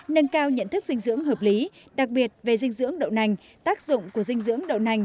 nâng cao nhận thức dinh dưỡng hợp lý đặc biệt về dinh dưỡng đậu nành tác dụng của dinh dưỡng đậu nành